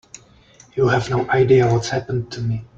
You have no idea what's happened to me.